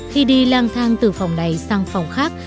khi đi lang thang từ phòng này sang phòng khác